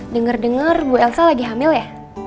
dengar dengar bu elsa lagi hamil ya